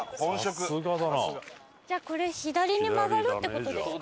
じゃあこれ左に曲がるって事ですか？